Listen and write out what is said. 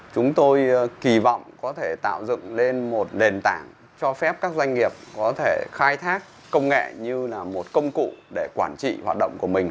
chúng tôi kỳ vọng có thể tạo dựng lên một nền tảng cho phép các doanh nghiệp có thể khai thác công nghệ như là một công cụ để quản trị hoạt động của mình